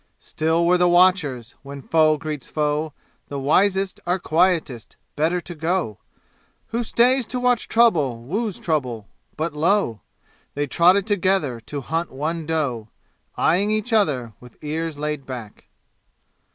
Still were the watchers. When foe greets foe The wisest are quietest. Better to go Who stays to watch trouble woos trouble! But lo! They trotted together to hunt one doe, Eyeing each other with ears laid back.